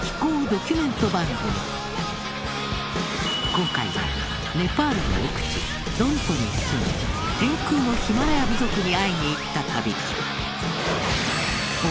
今回はネパールの奥地ドルポに住む天空のヒマラヤ部族に会いに行った旅。